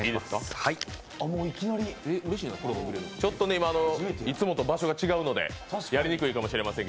今、いつもと場所が違うのでやりにくいかもしれませんが。